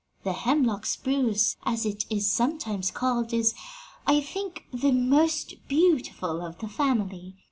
The hemlock spruce, as it is sometimes called, is, I think, the most beautiful of the family.